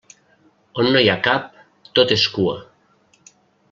On no hi ha cap, tot és cua.